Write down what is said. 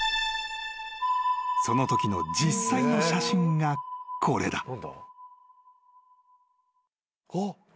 ［そのときの実際の写真がこれだ］